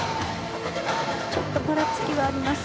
ちょっとばらつきがあります。